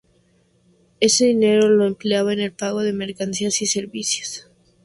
Ese dinero lo empleaba en el pago de mercancías y servicios.